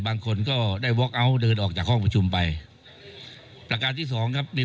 บางคนก็ได้วอคเอาท์เดินออกจากห้องประชุมไปประการที่สองครับใน